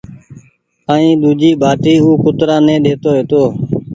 ائين ۮوجي ٻآٽي او ڪترآ ني ڏيتو هيتو